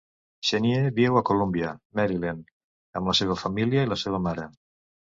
Chenier viu en Columbia, Maryland, amb la seva família i la seva mare.